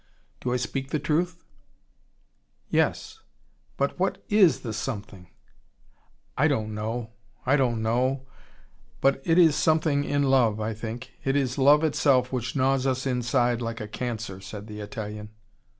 Do I speak the truth?" "Yes. But what is the something?" "I don't know. I don't know. But it is something in love, I think. It is love itself which gnaws us inside, like a cancer," said the Italian.